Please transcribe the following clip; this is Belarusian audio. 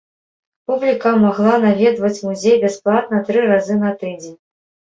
Публіка магла наведваць музей бясплатна тры разы на тыдзень.